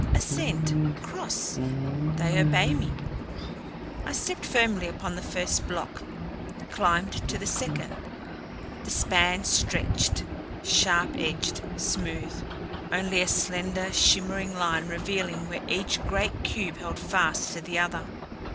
"Ascend. Cross. They obey me." I stepped firmly upon the first block, climbed to the second. The span stretched, sharp edged, smooth, only a slender, shimmering line revealing where each great cube held fast to the other.